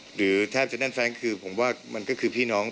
หรือแทบจะแน่นแฟนคือผมว่ามันก็คือพี่น้อง